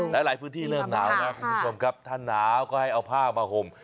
หลายพื้นที่เริ่มหนาวนะคุณผู้ชมครับถ้าหนาวก็ให้เอาผ้ามาห่ม